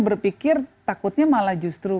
berpikir takutnya malah justru